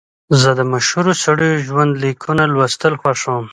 زه د مشهورو سړیو ژوند لیکونه لوستل خوښوم.